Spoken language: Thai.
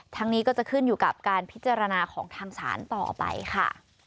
นี้ก็จะขึ้นอยู่กับการพิจารณาของทางศาลต่อไปค่ะ